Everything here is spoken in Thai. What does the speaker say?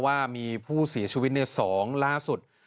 ว่ามีผู้เสียชีวิต๒ล่าสุด